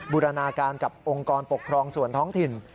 บูรณาการกับองค์กรปกครองส่วนท้องถิ่น